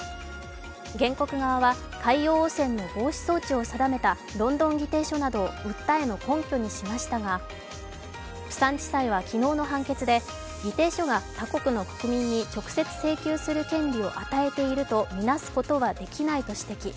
原告側は海洋汚染の防止措置を定めたロンドン議定書などを訴えの根拠にしましたがプサン地裁は昨日の判決で議定書が他国の国民に直接請求する権利を与えているとみなすことはできないと指摘。